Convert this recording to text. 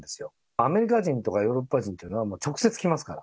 アメリカ人とかヨーロッパ人というのは直接来ますから。